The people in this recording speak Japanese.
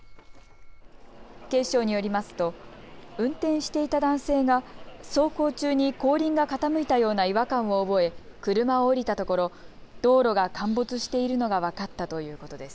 警視庁によりますと運転していた男性が走行中に後輪が傾いたような違和感を覚え車を降りたところ道路が陥没しているのが分かったということです。